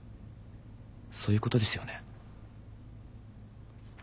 そういうことですよね？